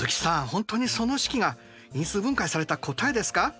本当にその式が因数分解された答えですか？